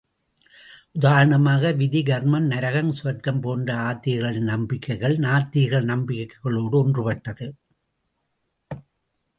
உதாரணமாக விதி, கர்மம், நரகம், சுவர்க்கம் போன்ற ஆத்திகர்களின் நம்பிக்கைகள், நாத்திகர்கள் நம்பிக்கைகளோடு ஒன்றுபட்டது.